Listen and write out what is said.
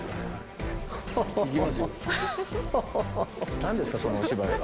何ですかそのお芝居は。